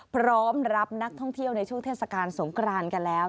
พร้อมรับนักท่องเที่ยวในช่วงเทศกาลสงครานกันแล้ว